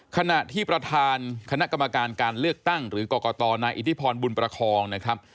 ขณะที่ประธานคกรการเลือกตั้งหรือกตนอิทธิพรบุญประครองนะครับ